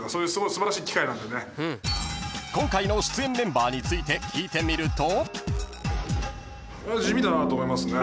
［今回の出演メンバーについて聞いてみると］